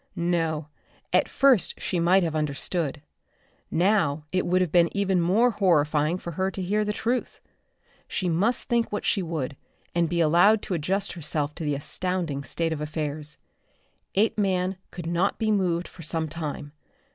No, at first she might have understood. Now it would have been even more horrifying for her to hear the truth. She must think what she would, and be allowed to adjust herself to the astounding state of affairs. Apeman could not be moved for some time.